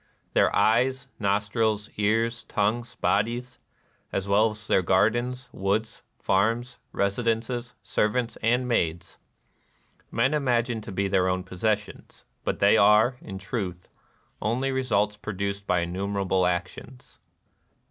Their eyes, nostrUs, ears, tongues, bodies, — as well as their gardens, woods, farms, residences, servants, and maids, — men imagine to be their own possessions ; but they are, in truth, only results produced by innumerable actions."